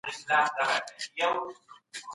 فردوسي د ټولنيزو نهادونو يادونه کوي.